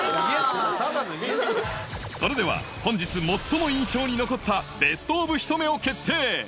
それでは、本日最も印象に残ったベスト・オブ・ひと目を決定。